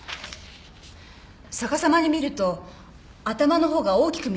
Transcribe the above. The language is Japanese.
逆さまに見ると頭のほうが大きく見えるんです。